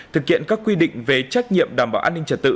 thực hiện các quy định về trách nhiệm đảm bảo an ninh trật tự